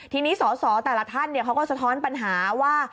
ทีนี้สอสอแต่ละท่านเขาก็สะท้อนปัญหาว่า